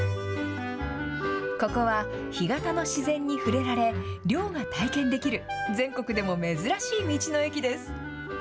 ここは干潟の自然に触れられ、漁が体験できる、全国でも珍しい道の駅です。